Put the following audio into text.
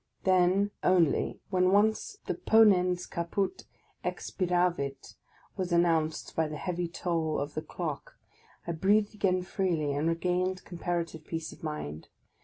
Then only, when once the ponens caput expiravit was an nounced by the heavy toll of the clock, I breathed again freely, and regained comparative peace of mind.